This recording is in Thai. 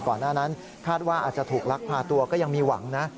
ก่อนหน้านั้นคาดว่าอาจจะถูกลักพาตัวก็ยังมีหวังนะ